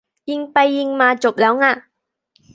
ยิงไปยิงมาจบแล้วง่ะ